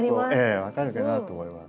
分かるかなと思います。